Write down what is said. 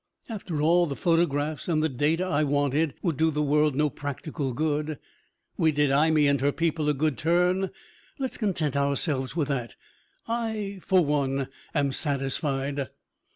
After all, the photographs and the data I wanted would do the world no practical good. We did Imee and her people a good turn; let's content ourselves with that. I, for one, am satisfied."